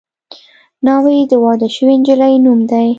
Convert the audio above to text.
ناوې د واده شوې نجلۍ نوم دی